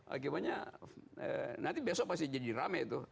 akibanya nanti besok pasti jadi rame itu